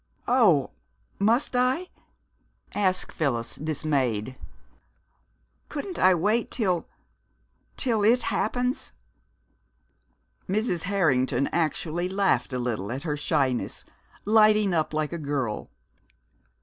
"Oh must I?" asked Phyllis, dismayed. "Couldn't I wait till till it happens?" Mrs. Harrington actually laughed a little at her shyness, lighting up like a girl.